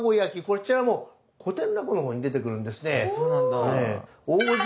こちらもう古典落語の方に出てくるんですね。